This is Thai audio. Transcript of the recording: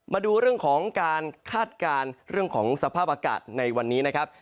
มาดูเรื่องของการคาดการณ์เรื่องของสภาพอากาศในวันนี้นะครับ